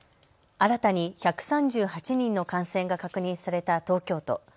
新たに１３８人の感染が確認された東京都。